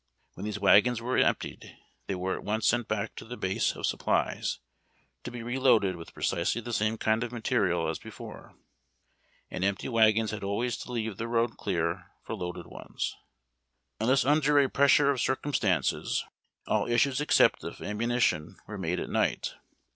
When these wagons were emptied, they were at once sent back to the base of supplies, to be reloaded with precisely the same kind of material as before ; and empty wagons had always to leave the road clear for loaded ones. Unless under a pressure of circumstances, all issues except of ammunition were made at night.